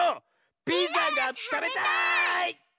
ピザがたべたい！